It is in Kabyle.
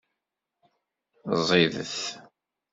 Ẓidet.